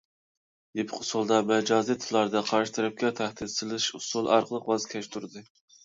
يېپىق ئۇسۇلدا، مەجازىي تىللاردا قارشى تەرەپكە تەھدىت سېلىش ئۇسۇلى ئارقىلىق ۋاز كەچتۈردى.